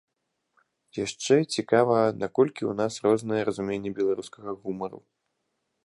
Яшчэ цікава, наколькі ў нас рознае разуменне беларускага гумару.